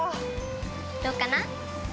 どうかな？